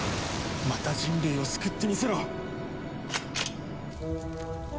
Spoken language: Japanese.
また人類を救ってみせろ！